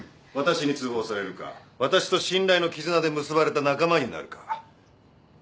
私に通報されるか私と信頼の絆で結ばれた仲間になるか。